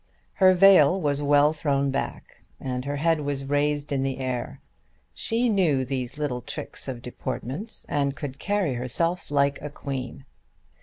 Her veil was well thrown back, and her head was raised in the air. She knew these little tricks of deportment and could carry herself like a queen.